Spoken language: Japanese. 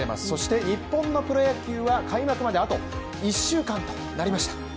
そして日本のプロ野球は開幕まで、あと１週間となりました。